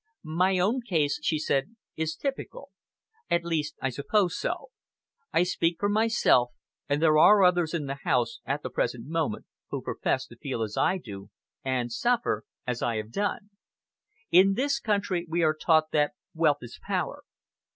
"My own case," she said, "is typical. At least I suppose so! I speak for myself; and there are others in the house, at the present moment, who profess to feel as I do, and suffer as I have done. In this country, we are taught that wealth is power.